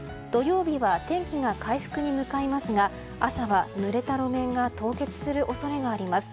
土曜日は天気が回復に向かいますが朝は、ぬれた路面が凍結する恐れがあります。